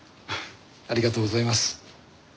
ありがとうございます。